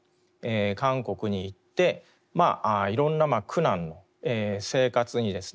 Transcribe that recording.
韓国に行っていろんな苦難の生活にですね